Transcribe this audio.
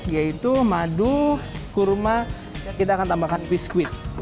yaitu madu kurma kita akan tambahkan biskuit